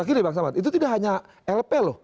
lagi deh bang samad itu tidak hanya lp loh